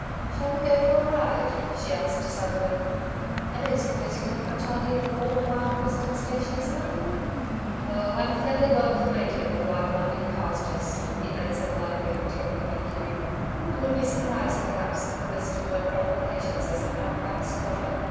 'Shall we go for a ride?' she asked suddenly. 'I don't suppose you have much idea of what a wild western station is like.' 'Oh, I'm fairly well acquainted with life on big pastures,' he answered lightly, taking her cue. 'You would be surprised, perhaps, at the list of my qualifications as an "out back squatter."